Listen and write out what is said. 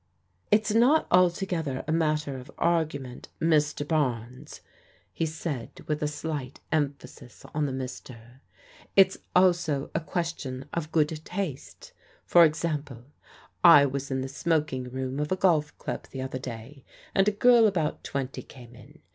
" It's not altogether a matter of argument, Mr. Barnes/' he said with a slight emphasis on the Mr./' it's also a question of good taste. For example, I was in the smoking room of a golf club the other day, and a girl about twenty came in.